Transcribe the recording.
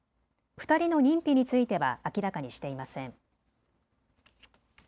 ２人の認否については明らかにしていません。